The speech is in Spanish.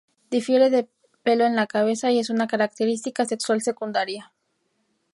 Difiere del pelo de la cabeza y es una característica sexual secundaria.